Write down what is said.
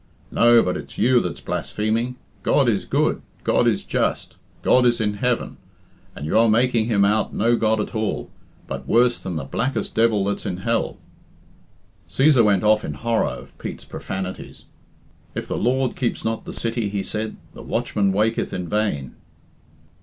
No, but it's you that's blaspheming. God is good, God is just, God is in heaven, and you are making Him out no God at all, but worse than the blackest devil that's in hell." Cæsar went off in horror of Pete's profanities. "If the Lord keep not the city," he said, "the watchman waketh in vain."